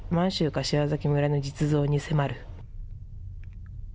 柏崎村の実像に迫る。